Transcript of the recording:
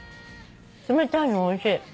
冷たいのおいしい。